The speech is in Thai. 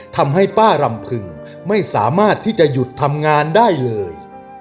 ทำให้ป้ารำพึงไม่สามารถที่จะหยุดทำงานได้เลย